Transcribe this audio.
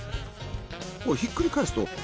ひっくり返すと。